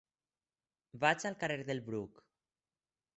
Vaig al carrer del Bruc.